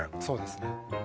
そうですね